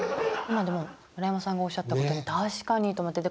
今でも村山さんがおっしゃったこと確かにと思って。